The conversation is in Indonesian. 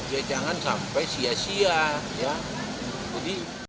ya jangan sampai sia sia ya